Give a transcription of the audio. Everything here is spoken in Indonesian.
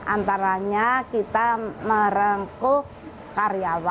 antaranya kita merengkuk karyawan